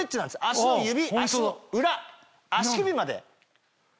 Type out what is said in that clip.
足の指足の裏足首まで。